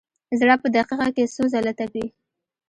زړه په دقیقه کې څو ځله تپي.